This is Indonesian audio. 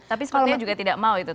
tapi skotnya juga tidak mau itu